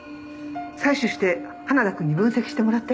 採取して花田くんに分析してもらって。